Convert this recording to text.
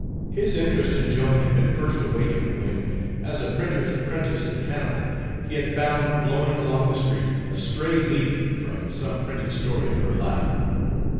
His interest in Joan had been first awakened when, as a printer's apprentice in Hannibal, he had found blowing along the street a stray leaf from some printed story of her life.